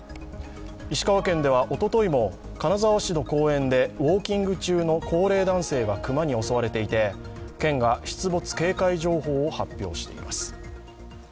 石川県では、おとといも金沢市の公園でウォーキング中の高齢男性が熊に襲われていて県が出没警戒情報を発表しています。